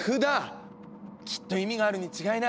きっと意味があるに違いない！